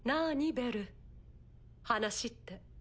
ベル話って。